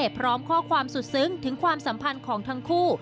พร้อมข้อความสุดซึ้งถึงความสัมพันธ์ของทั้งคู่